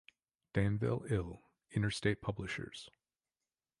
Danville, Ill.: Interstate Publishers.